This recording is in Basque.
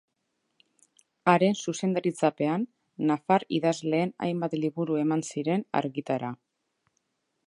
Haren zuzendaritzapean, nafar idazleen hainbat liburu eman ziren argitara.